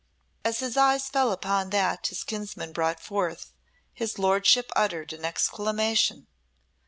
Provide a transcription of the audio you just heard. As his eyes fell upon that his kinsman brought forth his lordship uttered an exclamation.